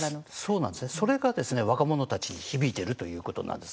それが若者たちに響いているということなんです。